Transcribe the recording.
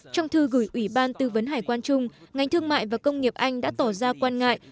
trong thư gửi ủy ban tư vấn hải quan trung ngành thương mại và công nghiệp anh đã tỏ ra quan ngại